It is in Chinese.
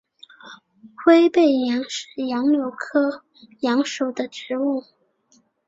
灰背杨是杨柳科杨属的植物。